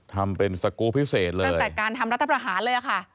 ทำเป็นสกูลพิเศษเลยตั้งแต่การทำรัฐประหารเลยอะค่ะ